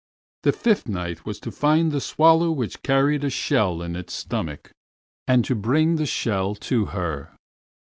The Fifth Knight was to find the swallow which carried a shell in its stomach and to bring the shell to her.